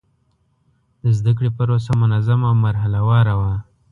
د زده کړې پروسه منظم او مرحله وار وه.